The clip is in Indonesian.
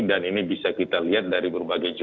dan ini bisa kita lihat dari berbagai sudut